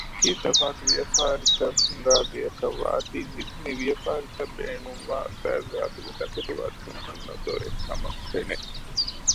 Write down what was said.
ގެޔަކީ ތަފާތު ވިޔަފާރިތައް ހިނގާ ގެއަކަށް ވާތީ މިވިޔަފާރިތަކަށް ބޭނުންވާ ޒާތްޒާތުގެ ތަކެތި ވައްދަން ހުންނަ ދޮރެއްކަމަށް ފެނެ